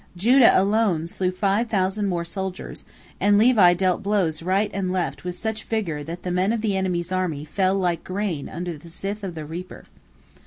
Judah alone slew five thousand more soldiers, and Levi dealt blows right and left with such vigor that the men of the enemy's army fell like grain under the scythe of the reaper.